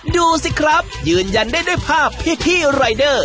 ดูสิครับยืนยันได้ด้วยภาพพี่รายเดอร์